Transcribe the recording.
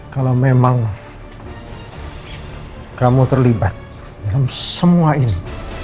kalau memang kamu terlibat dalam semua ini